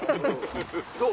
どう？